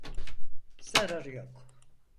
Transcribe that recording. Zararı yok.